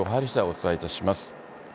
お伝えいたします。